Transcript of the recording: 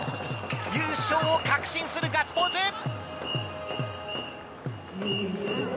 優勝を確信するガッツポーズ！